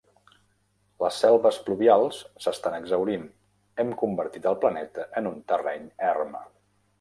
Les selves pluvials s'estan exhaurint, hem convertit el planeta en un terreny erm.